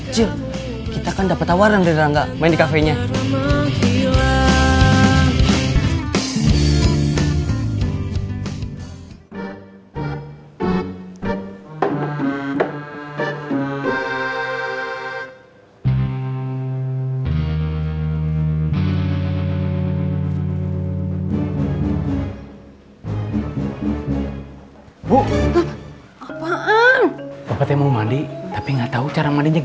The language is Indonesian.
cil kita kan dapat tawaran dari rangga main di cafe nya